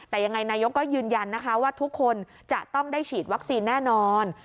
แต่ยังไงนายกก็ยืนยันนะคะว่าทุกคนจะต้องได้ฉีดวัคซีนแน่นอน